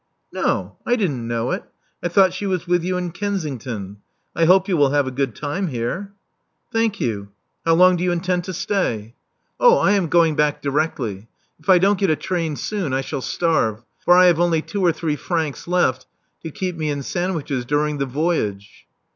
No, I didn't know it: I thought she was with you in Kensington. I hope you will have a good time here." Thank you. How long do you intend to stay?" 358 ^ Love Among the Artists Oh, I am going back directly. If I don't get a train soon, I shall starve ; for I have only two or three francs left to keep me in sandwiches during the voyage."